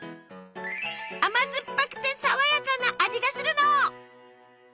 甘酸っぱくて爽やかな味がするの。